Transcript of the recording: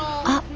ああ！